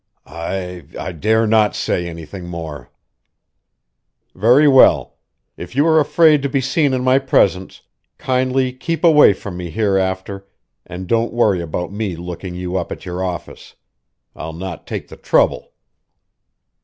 "I I dare not say anything more." "Very well. If you are afraid to be seen in my presence, kindly keep away from me hereafter and don't worry about me looking you up at your office. I'll not take the trouble!"